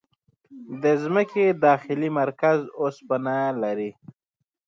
د ځمکې داخلي مرکز اوسپنه لري.